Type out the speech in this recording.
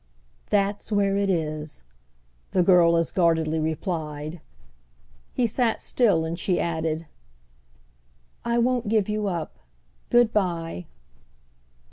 "That's where it is!" the girl as guardedly replied. He sat still, and she added: "I won't give you up. Good bye."